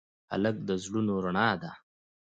هلک د زړونو رڼا ده.